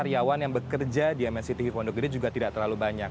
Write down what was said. karyawan yang bekerja di mnctv pondok gede juga tidak terlalu banyak